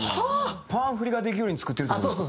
パン振りができるように作ってるって事？